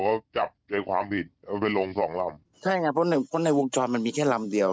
ก็จับเป็นความผิดมันเป็นลงสองลำใช่ไงเพราะในวงจรมันมีแค่ลำเดียว